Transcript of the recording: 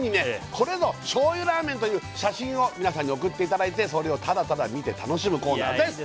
これぞ醤油ラーメンという写真を皆さんに送っていただいてそれをただただ見て楽しむコーナーです